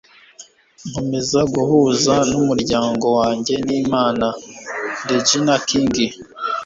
nkomeza guhuza n'umuryango wanjye n'imana. - regina king